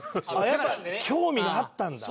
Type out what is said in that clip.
やっぱ興味があったんだ。